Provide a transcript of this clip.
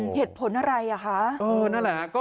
เหตุผลอะไร